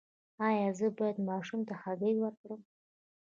ایا زه باید ماشوم ته هګۍ ورکړم؟